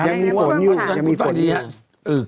ยังมีฝนอยู่